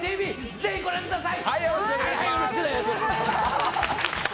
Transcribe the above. ぜひご覧ください。